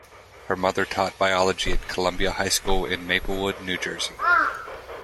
Her mother taught biology at Columbia High School in Maplewood, New Jersey.